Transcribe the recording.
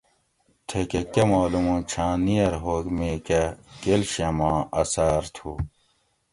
تھیکہ کہ مالوم ہوں چھاں نیٔر ہوگ می کہ کیلشیم آں اثار تھو